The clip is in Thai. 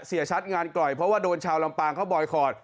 เสียชัดงานกล่อยเพราะว่าโดนชาวลำปางเข้าบอยคอร์ด